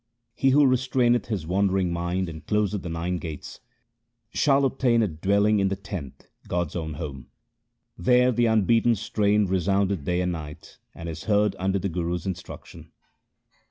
He who restraineth his wandering mind and closeth the nine gates, Shall obtain a dwelling in the tenth, God's own home. There the unbeaten strain resoundeth day and night, and is heard under the Guru's instruction.